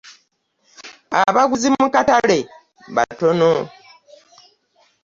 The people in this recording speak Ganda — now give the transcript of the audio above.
Abaguzi mu katale batono.